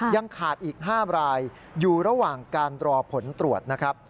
ยังขาดอีก๕รายอยู่ระหว่างการรอผลตรวจนะครับ